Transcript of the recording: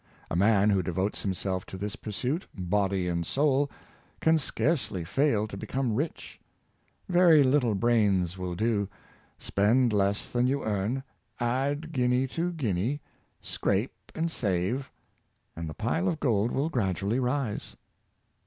A man who devotes himself to this pursuit, body and soul, can scarcely fail to become rich. Very little brains will do: spend less than you earn; add guinea to guinea; scrape and save; and the pile of gold will gradually rise.